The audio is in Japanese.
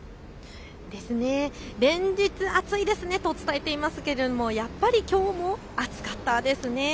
連日、暑いですねと伝えていますけれどもやっぱりきょうも暑かったですね。